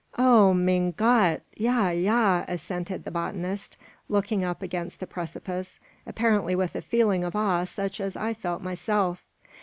"Oh, mein Gott! Ya, ya!" assented the botanist, looking up against the precipice, apparently with a feeling of awe such as I felt myself.